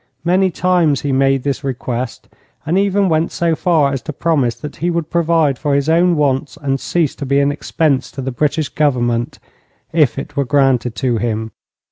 Many times he made this request, and even went so far as to promise that he would provide for his own wants and cease to be an expense to the British Government if it were granted to him.